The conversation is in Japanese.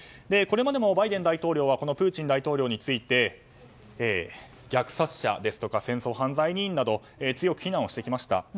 これまでもバイデン大統領はこのプーチン大統領について虐殺者ですとか戦争犯罪人など強く非難をしてきました。